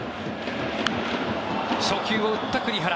初球を打った栗原。